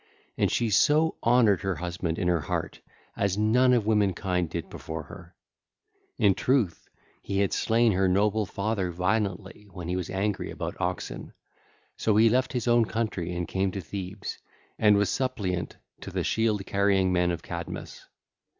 And she so honoured her husband in her heart as none of womankind did before her. Verily he had slain her noble father violently when he was angry about oxen; so he left his own country and came to Thebes and was suppliant to the shield carrying men of Cadmus.